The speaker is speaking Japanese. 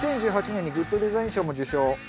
２０１８年にグッドデザイン賞も受賞。